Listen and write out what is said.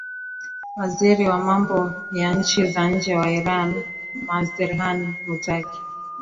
waziri wa mambo ya nchi za nje wa iran manseheran mutaki